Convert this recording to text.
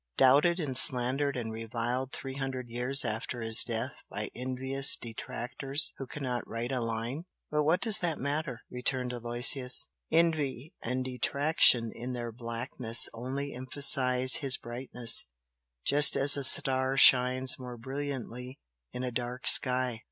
doubted and slandered and reviled three hundred years after his death by envious detractors who cannot write a line!" "But what does that matter?" returned Aloysius. "Envy and detraction in their blackness only emphasise his brightness, just as a star shines more brilliantly in a dark sky.